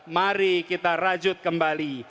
mari kita rajut kembali